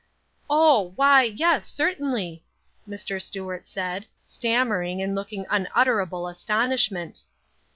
"Oh, why, yes, certainly," Mr. Stuart said, stammering and looking unutterable astonishment.